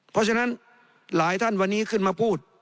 เพราะฉะนั้นหลายท่านวันนี้ขึ้นมาพูด